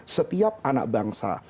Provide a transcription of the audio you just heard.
setiap anak bangsa